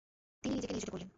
তিনি নিজেকে নিয়োজিত করলেন।